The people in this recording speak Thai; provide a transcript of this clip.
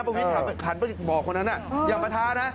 ประวิทย์หันบอกคนนั้นอย่ามาท้านะ